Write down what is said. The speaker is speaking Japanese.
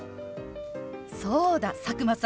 そうだ佐久間さん！